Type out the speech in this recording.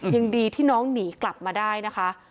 ยังดีที่น้องหนีกลับมาได้นะคะ